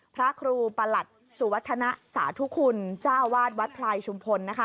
พระครูประหลัดสุวัฒนะสาธุคุณเจ้าวาดวัดพลายชุมพล